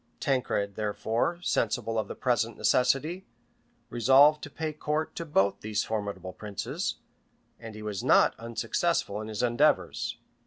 Tancred, therefore, sensible of the present necessity, resolved to pay court to both these formidable princes; and he was not unsuccessful in his endeavors.